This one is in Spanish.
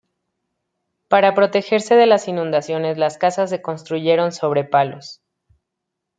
Para protegerse de las inundaciones, las casas se construyeron sobre palos.